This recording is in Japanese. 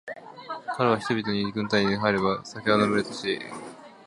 かれは人々に、軍隊に入れば酒は飲めるし、赤いきれいな帽子を一つ貰える、と話しました。